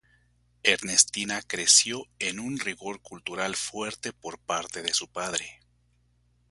Ernestina creció en un rigor cultural fuerte por parte de su padre.